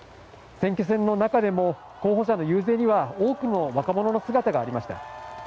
選挙戦の中でも候補者の遊説には多くの若者の姿がありました。